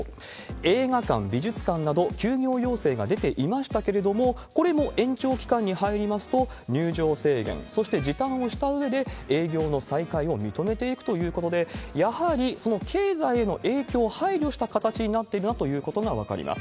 映画館、美術館など休業要請が出ていましたけれども、これも延長期間に入りますと、入場制限、そして時短をしたうえで、営業の再開を認めていくということで、やはりその経済への影響を配慮した形になっているなということが分かります。